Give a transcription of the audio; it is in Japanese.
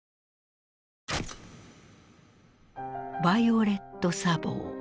ヴァイオレット・サボー。